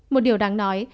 một điều đáng nói